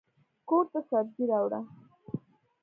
کورته سبزي راوړه.